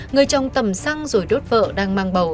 người chồng tầm xăng rồi đốt vợ đang mang bầu